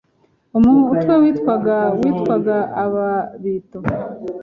umutwe witwaga witwaga Ababito.